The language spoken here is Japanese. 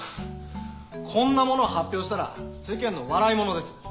こんなものを発表したら世間の笑い者です。